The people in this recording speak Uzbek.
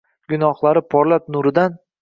gunohlar porlab, nuridan